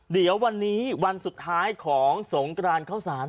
เดี๋ยววันนี้วันสุดท้ายของสงกรานข้าวสาร